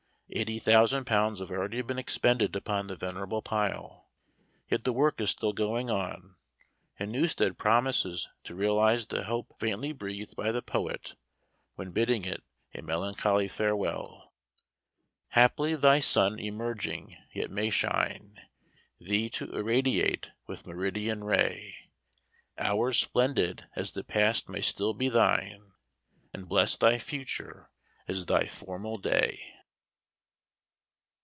Eighty thousand pounds have already been expended upon the venerable pile, yet the work is still going on, and Newstead promises to realize the hope faintly breathed by the poet when bidding it a melancholy farewell "Haply thy sun emerging, yet may shine, Thee to irradiate with meridian ray; Hours splendid as the past may still be thine, And bless thy future, as thy former day."